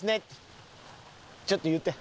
ちょっと言って。